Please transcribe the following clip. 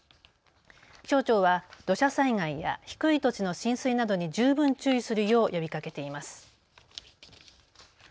気象庁は土砂災害や低い土地の浸水などに十分注意するよう呼びかけています。